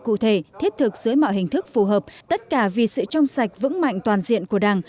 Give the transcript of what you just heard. cụ thể thiết thực dưới mọi hình thức phù hợp tất cả vì sự trong sạch vững mạnh toàn diện của đảng